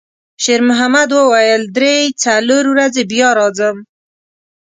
شېرمحمد وویل: «درې، څلور ورځې بیا راځم.»